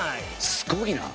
すごいな。